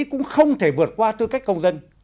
cũng không thể vượt qua tư cách công dân